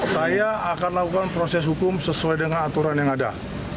saya akan lakukan proses hukum sesuai dengan aturan yang ada